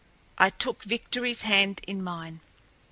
I took Victoryl's hand in mine.